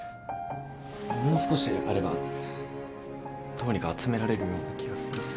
もう少しあればどうにか集められるような気がするんです。